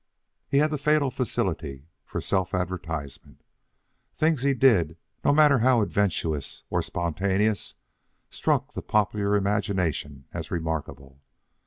He had the fatal facility for self advertisement. Things he did, no matter how adventitious or spontaneous, struck the popular imagination as remarkable.